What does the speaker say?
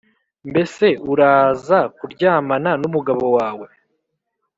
mbese uraza kuryamana n’umugabo wawe.’